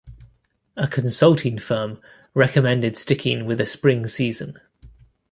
A consulting firm recommended sticking with a spring season.